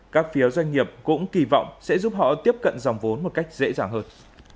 các phiếu doanh nghiệp cũng kỳ vọng sẽ giúp họ tiếp cận dòng vốn một cách dễ dàng hơn